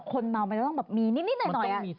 คนน้องมันต้องมีนิดหน่อย